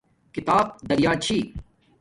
کتاب دریا چھی